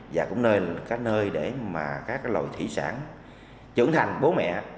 và cũng là nơi để các loại thị sản trưởng thành bố mẹ